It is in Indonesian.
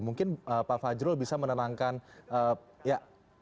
mungkin pak fajrul bisa menenangkan ya